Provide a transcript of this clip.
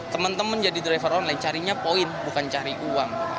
teman teman jadi driver online carinya poin bukan cari uang